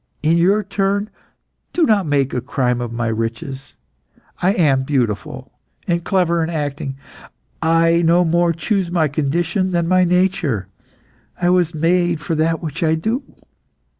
In your turn, do not make a crime of my riches. I am beautiful, and clever in acting. I no more chose my condition than my nature. I was made for that which I do.